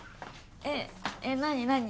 えっえっ何なに？